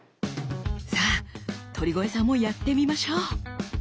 さあ鳥越さんもやってみましょう！